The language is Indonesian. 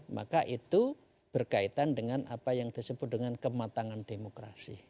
maka itu berkaitan dengan apa yang disebut dengan kematangan demokrasi